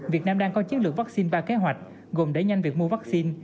việt nam đang có chiến lược vaccine ba kế hoạch gồm đẩy nhanh việc mua vaccine